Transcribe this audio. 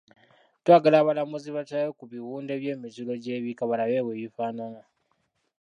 Twagala abalambuzi bakyale ku biwunde by'emiziro gy'ebika balabe bwe bifaanana.